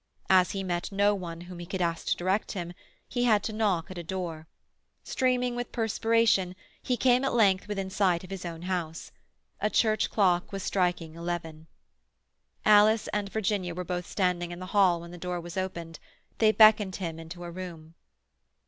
As he met no one whom he could ask to direct him, he had to knock at a door. Streaming with perspiration, he came at length within sight of his own house. A church clock was striking eleven. Alice and Virginia were both standing in the hall when the door was opened; they beckoned him into a room.